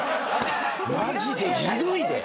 マジでひどいで。